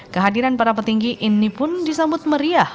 kehadiran para petinggi ini pun disambut meriah